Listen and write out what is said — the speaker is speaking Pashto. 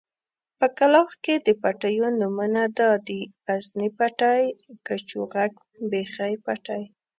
په کلاخ کې د پټيو نومونه دادي: غزني پټی، کچوغک، بېخۍ پټی.